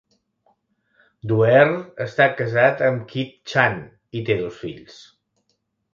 Duerr està casat amb Kit Chan i té dos fills.